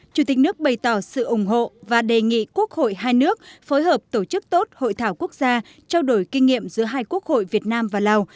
chủ tịch nước bày tỏ sự ủng hộ và đề nghị quốc hội hai nước phối hợp tổ chức tốt hội thảo quốc gia trao đổi kinh nghiệm giữa hai quốc hội việt nam và lào